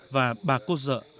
và bà cô dợ